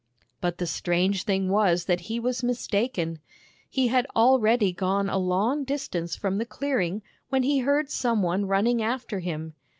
But the strange thing was that he was mistaken. He had already gone a long distance from the clearing when he heard some one running after him.